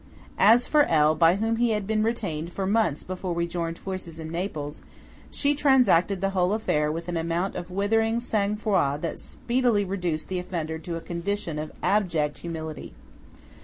As for L., by whom he had been retained for months before we joined forces in Naples, she transacted the whole affair with an amount of withering sang froid that speedily reduced the offender to a condition of abject humility.